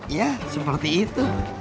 ya seperti itu